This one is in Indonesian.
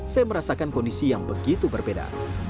saya merasakan kondisi yang begitu berbeda